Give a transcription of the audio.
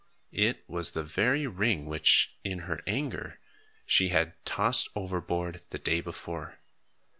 It was the very ring which, in her anger, she had tossed overboard the day before.